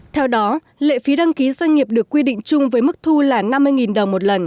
theo đó lệ phí đăng ký doanh nghiệp được quy định chung với mức thu là năm mươi đồng một lần